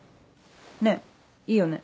ねぇいいよね？